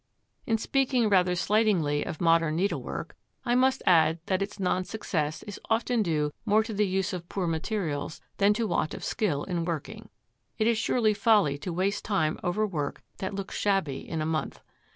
In speaking rather slightingly of modern needlework, I must add that its non success is often due more to the use of poor materials than to want of skill in working. It is surely folly to waste time over work that looks shabby in a month.